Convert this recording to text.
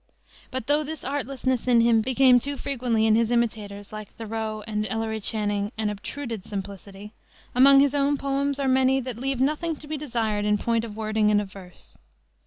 But though this artlessness in him became too frequently in his imitators, like Thoreau and Ellery Channing, an obtruded simplicity, among his own poems are many that leave nothing to be desired in point of wording and of verse.